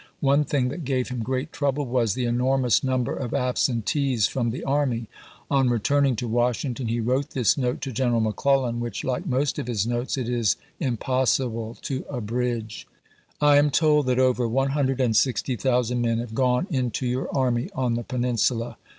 One thing that gave him great trouble was the enormous num ber of absentees from the army. On returning to Washington he wrote this note to General Mc Clellan, which, like most of his notes, it is impos sible to abridge : I am told that over 160,000 men have gone into your army on the Peninsula.